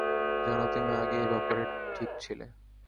জানো, তুমি আগেই এ ব্যাপারে ঠিক ছিলে।